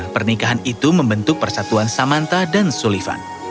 pernikahan itu membentuk persatuan samantha dan sullivan